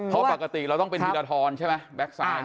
เพราะปกติเราต้องเป็นธีรธรรมใช่ไหมแบ็คซ้าย